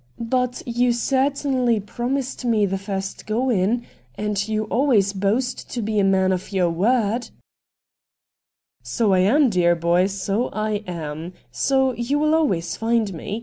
* But you certainly promised me the first go in — and you always boast to be a man of your word.' VOL. I. Q 226 RED DIAMONDS ' So I am, dear boy, so I am — so you will always find me.